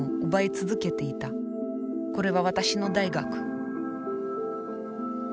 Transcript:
これは私の大学